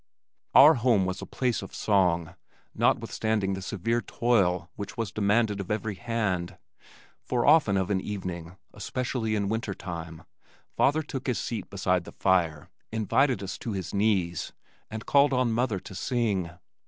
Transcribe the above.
Our home was a place of song, notwithstanding the severe toil which was demanded of every hand, for often of an evening, especially in winter time, father took his seat beside the fire, invited us to his knees, and called on mother to sing.